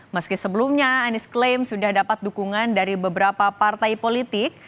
meski sebelumnya anies klaim sudah dapat dukungan dari beberapa partai politik